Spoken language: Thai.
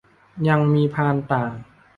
ยังมีพานต่าง